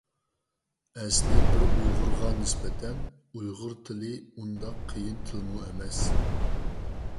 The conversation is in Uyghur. ئەسلى بىر ئۇيغۇرغا نىسبەتەن، ئۇيغۇر تىلى ئۇنداق قىيىن تىلمۇ ئەمەس.